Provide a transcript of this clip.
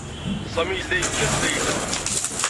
Sami yella yekkat Layla.